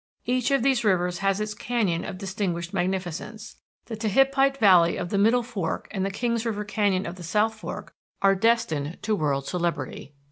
Each of these rivers has its canyon of distinguished magnificence. The Tehipite Valley of the Middle Fork and the Kings River Canyon of the South Fork are destined to world celebrity.